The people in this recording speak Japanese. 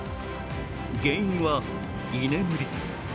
原因は居眠り。